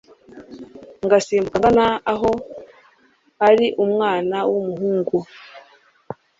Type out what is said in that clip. ngasimbuka ngana aho ariumwana w'umuhungu